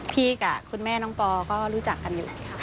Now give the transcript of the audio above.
กับคุณแม่น้องปอก็รู้จักกันอยู่ค่ะ